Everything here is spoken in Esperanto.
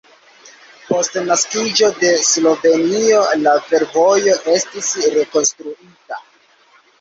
Post naskiĝo de Slovenio la fervojo estis rekonstruita.